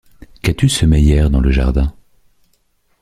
Qu’as-tu semé hier dans le jardin?